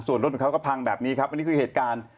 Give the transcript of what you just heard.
ส่วนรถของเขาก็พังแบบนี้ครับอันนี้คือเหตุการณ์